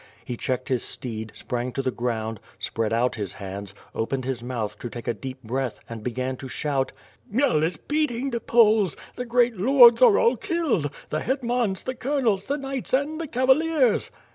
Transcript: He checked his steed, sprang to the ground, spread out his hands, opened his mouth to take a deep breath, and began to shout: ^'Khmel is beating the Poles! The great lords are all killed! The hetmans, the colonels, the knights, and the cava liers!"